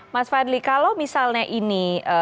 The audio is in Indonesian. mas fadli kalau misalnya ini